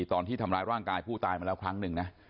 ตอนที่ทำร้ายร่างกายผู้ตายมาแล้วครั้งหนึ่งนะ